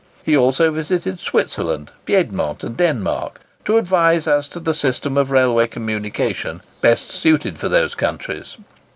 He also visited Switzerland, Piedmont, and Denmark, to advise as to the system of railway communication best suited for those countries.